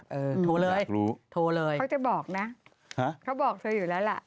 โทรเลยโทรเลยอยากรู้เขาจะบอกนะเขาบอกเธออยู่แล้วล่ะ